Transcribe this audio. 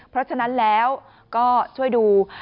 เพราะฉะนั้นแล้วก็ช่วยดู